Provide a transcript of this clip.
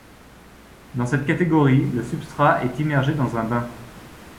Dans cette catégorie, le substrat est immergé dans un bain.